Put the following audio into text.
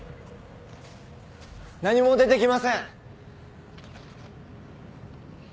何も出てきません。